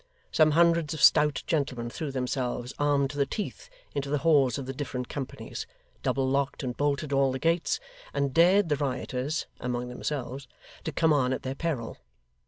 Some hundreds of stout gentlemen threw themselves, armed to the teeth, into the halls of the different companies, double locked and bolted all the gates, and dared the rioters (among themselves) to come on at their peril.